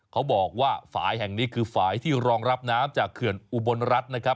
เขาบอกว่าฝ่ายแห่งนี้คือฝ่ายที่รองรับน้ำจากเขื่อนอุบลรัฐนะครับ